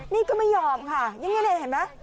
นี่ก็ไม่ยอมค่ะยังแน่เห็นไหม